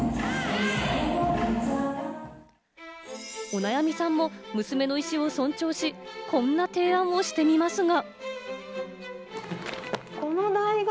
お悩みさんも娘の意思を尊重し、こんな提案をしてみますが。